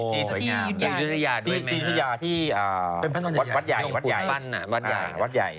ที่สุธิยาที่วัดใหญ่